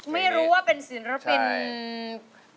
ไม่รู้ว่าเป็นศิลปิน